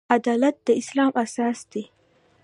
عدالت د اسلام اساس دی